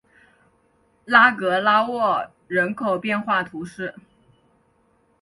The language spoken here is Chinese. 拉格拉沃人口变化图示